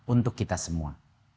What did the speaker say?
untuk kita semua